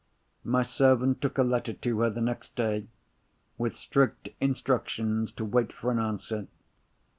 My servant took a letter to her the next day, with strict instructions to wait for an answer.